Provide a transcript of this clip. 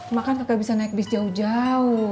emak kan kagak bisa naik bis jauh jauh